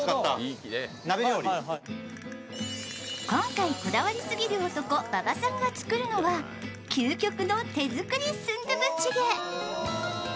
今回、こだわりすぎる男・馬場さんが作るのは究極の手作りスンドゥブ・チゲ。